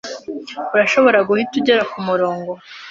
Urashobora guhita ugera kumurongo?